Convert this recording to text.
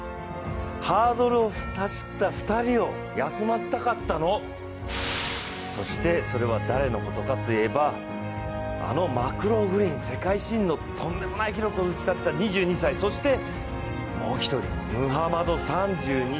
ハードルを走った２人を休ませたかったの、そして、それは誰のことかといえばあのマクローフリン、世界新のとんでもない記録を打ち立てた２２歳そしてもう１人、ムハマド３２歳。